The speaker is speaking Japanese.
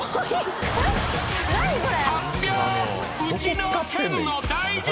何これ？